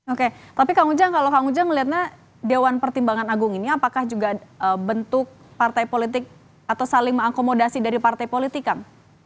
oke tapi kang ujang kalau kang ujang melihatnya dewan pertimbangan agung ini apakah juga bentuk partai politik atau saling mengakomodasi dari partai politik kang